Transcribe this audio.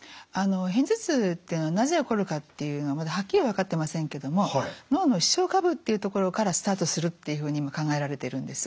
片頭痛っていうのがなぜ起こるかっていうのはまだはっきり分かってませんけども脳の視床下部っていうところからスタートするっていうふうに考えられているんです。